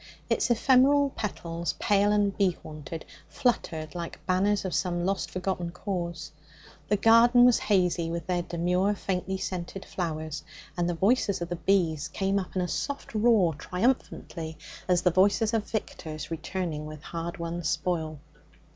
Its ephemeral petals, pale and bee haunted, fluttered like banners of some lost, forgotten cause. The garden was hazy with their demure, faintly scented flowers, and the voices of the bees came up in a soft roar triumphantly, as the voices of victors returning with hardwon spoil.